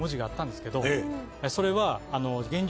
それは。